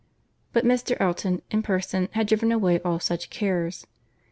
But Mr. Elton, in person, had driven away all such cares.